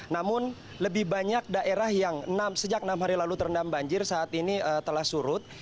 namun lebih banyak daerah yang sejak enam hari lalu terendam banjir saat ini telah surut